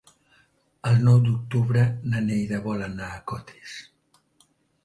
El nou d'octubre na Neida vol anar a Cotes.